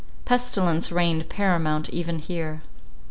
Pestilence reigned paramount even here.